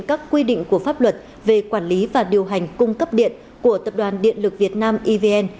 các quy định của pháp luật về quản lý và điều hành cung cấp điện của tập đoàn điện lực việt nam evn